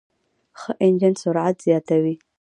ښه انجن سرعت زیاتوي.